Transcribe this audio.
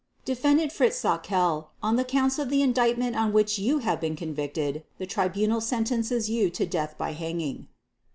"Defendant Fritz Sauckel, on the Counts of the Indictment on which you have been convicted, the Tribunal sentences you to death by hanging.